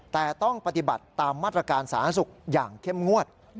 แต่ต้องปฏิบัติตามมาตรการสาธารณสุขอย่างเข้มงวด